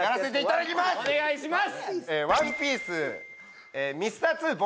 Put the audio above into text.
お願いします！